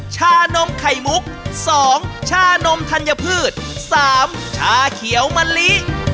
ชานมไข่มุก๒ชานมธัญพืช๓ชาเขียวมะลิ